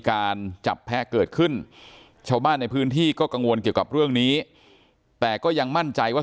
การจับแพ้เกิดขึ้นชาวบ้านในพื้นที่ก็กังวลเกี่ยวกับเรื่องนี้แต่ก็ยังมั่นใจว่า